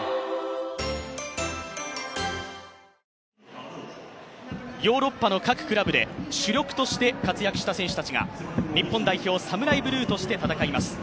いたのでヨーロッパの各クラブで主力として活躍した選手たちが日本代表・ＳＡＭＵＲＡＩＢＬＵＥとして戦います。